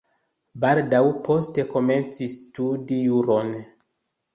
Baldaŭ poste komencis studi juron.